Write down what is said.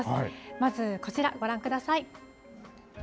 まずこちら、ご覧ください。